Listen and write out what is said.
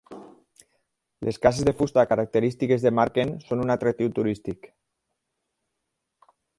Les cases de fusta característiques de Marken són un atractiu turístic.